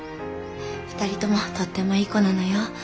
２人ともとってもいい子なのよ。